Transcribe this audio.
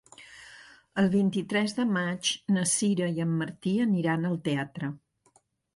El vint-i-tres de maig na Sira i en Martí aniran al teatre.